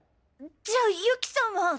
じゃあユキさんは？